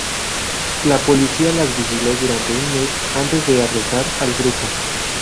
La policía las vigiló durante un mes antes de arrestar al grupo.